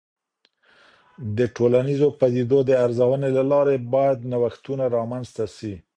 د ټولنیزو پدیدو د ارزونې له لارې باید نوښتونه رامنځته سي.